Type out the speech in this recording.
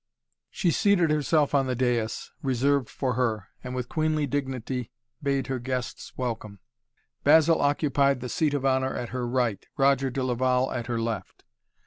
She seated herself on the dais, reserved for her, and with queenly dignity bade her guests welcome. Basil occupied the seat of honor at her right, Roger de Laval at her left.